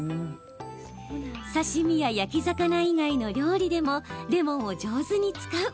刺身や焼き魚以外の料理でもレモンを上手に使う。